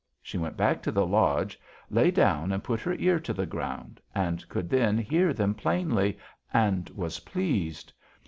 She went back to the lodge, lay down and put her ear to the ground, and could then hear them plainly, and was pleased.